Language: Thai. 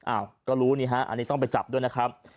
อ้าวก็รู้นี่ฮะอันนี้ต้องไปจับด้วยนะครับ